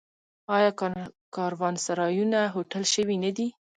آیا کاروانسرایونه هوټل شوي نه دي؟